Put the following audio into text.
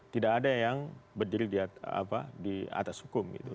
tidak ada yang berdiri di atas hukum gitu